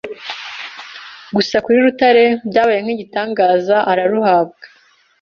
gusa kuri Rutare byabaye nk’igitangaza araruhabwa